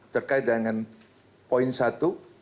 terkait dengan poin satu